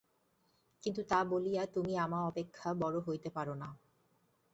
কিন্তু তা বলিয়া তুমি আমা অপেক্ষা বড় হইতে পার না।